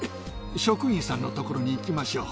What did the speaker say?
職員さんのところに行きましょう。